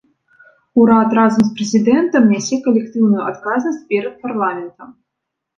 Урад разам з прэзідэнтам нясе калектыўную адказнасць перад парламентам.